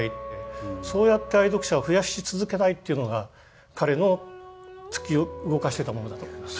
そうやって愛読者を増やし続けたいっていうのが彼の突き動かしてたものだと思います。